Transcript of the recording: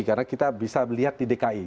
karena kita bisa melihat di dki